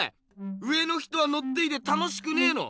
上の人はのっていて楽しくねえの？